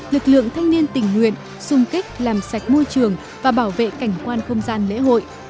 lực lượng thanh niên tình nguyện xung kích làm sạch môi trường và bảo vệ cảnh quan không gian lễ hội